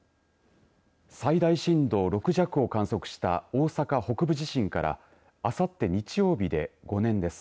最大震度６弱を観測した大阪北部地震からあさって日曜日で５年です。